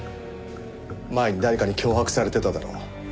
前に誰かに脅迫されてただろ？